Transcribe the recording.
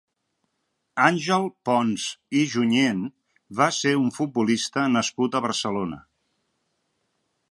Àngel Ponz i Junyent va ser un futbolista nascut a Barcelona.